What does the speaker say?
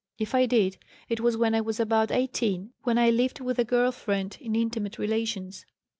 If I did, it was when I was about 18 when I lived with a girl friend in intimate relations.